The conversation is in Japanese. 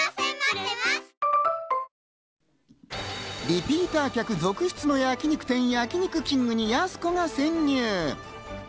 リピーター客続出の焼肉店、焼肉きんぐにやす子が潜入。